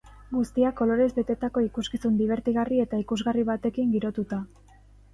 Guztia kolorez betetako ikuskizun dibertigarri eta ikusgarri batekin girotuta.